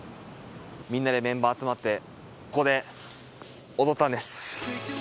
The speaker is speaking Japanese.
みんなでメンバー集まってここで踊ったんです。